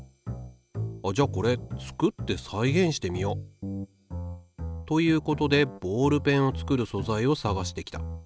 あっじゃあこれ作って再現してみよ。ということでボールペンを作る素材を探してきた。